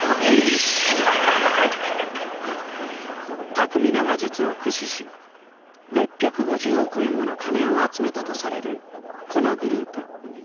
巧みな話術を駆使し６５０億円もの金を集めたとされるこのグループ。